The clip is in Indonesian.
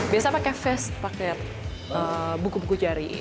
biasa pakai fast pakai buku buku jari